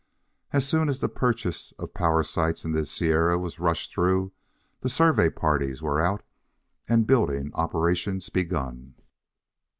As soon as the purchase of power sites in the Sierras was rushed through, the survey parties were out and building operations begun.